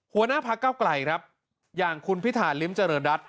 หัวหน้าพักเก้าไกลครับอย่างคุณพิธาริมเจริญรัฐ